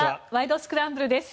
スクランブル」です。